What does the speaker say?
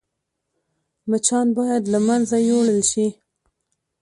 مچان باید له منځه يوړل شي